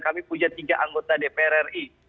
kami punya tiga anggota dpr ri